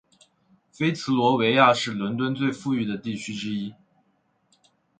菲茨罗维亚是伦敦最富裕的地区之一。